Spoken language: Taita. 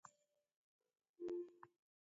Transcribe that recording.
Mbiya yake yabarika.